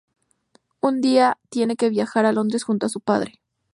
Un día tiene que viajar a Londres junto a su padre.